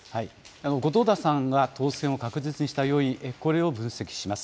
後藤田さんが当選を確実にした要因、これを分析します。